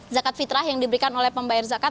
zakat fitrah yang diberikan oleh pembayar zakat